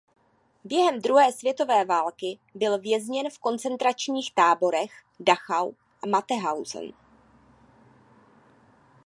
Během druhé světové války byl vězněn v koncentračních táborech Dachau a Mauthausen.